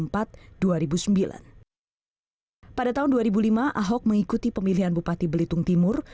pada tahun dua ribu lima ahok mengikuti pemilihan bupati belitung timur